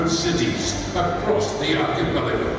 meskipun perusahaan perjalanan udara